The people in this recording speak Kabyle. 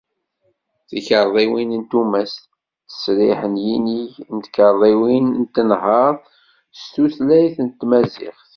Tikarḍiwin n tumast, ttesriḥ n yinig d tkarḍiwin n tenhart s tutlayt n tmaziɣt.